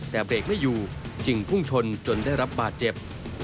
แต่เบรกไม่อยู่จึงพุ่งชนจนได้รับบาดเจ็บ